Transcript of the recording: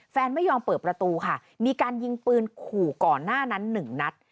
ไม่ยอมเปิดประตูค่ะมีการยิงปืนขู่ก่อนหน้านั้นหนึ่งนัด